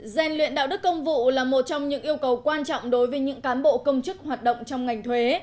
rèn luyện đạo đức công vụ là một trong những yêu cầu quan trọng đối với những cán bộ công chức hoạt động trong ngành thuế